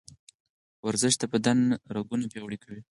ورزش د بدن رګونه پیاوړي کوي.